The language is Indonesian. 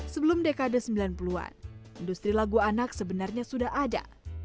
sebelum dekade sembilan puluh an industri lagu anak sebenarnya sudah ada